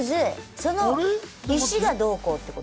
その石がどうこうってこと？